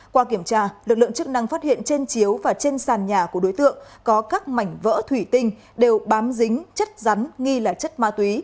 qua kiểm tra lực lượng chức năng phát hiện trên chiếu và trên sàn nhà của đối tượng có các mảnh vỡ thủy tinh đều bám dính chất rắn nghi là chất ma túy